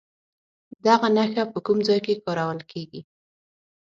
دغه نښه په کوم ځای کې کارول کیږي؟